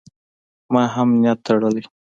ما هم نیت تړلی.